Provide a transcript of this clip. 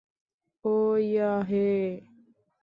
ও yeah - এহ?